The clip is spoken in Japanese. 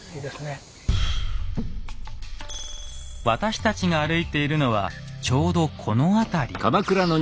私たちが歩いているのはちょうどこの辺り。